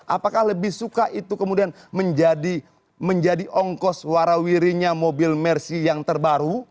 apakah lebih suka itu kemudian menjadi ongkos warawirinya mobil mersi yang terbaru